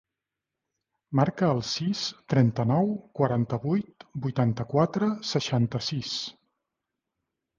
Marca el sis, trenta-nou, quaranta-vuit, vuitanta-quatre, seixanta-sis.